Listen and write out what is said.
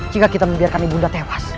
jika kita membiarkan ibunda tewas